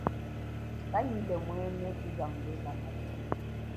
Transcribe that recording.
Kayile kwenyi kuwa mulwezanga kuya.